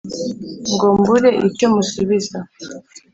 ngo mbure icyo musubiza